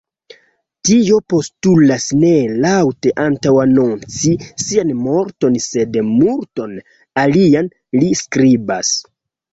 Tio postulas ne laŭte antaŭanonci sian morton sed multon alian”, li skribas.